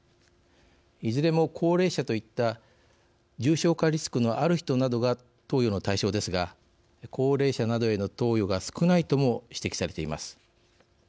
いずれも高齢者といった重症化リスクのある人などが投与の対象ですが高齢者などへの投与が少ないとも指摘されています。